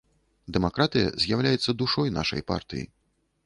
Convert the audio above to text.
Дэмакратыя з'яўляецца душой нашай партыі.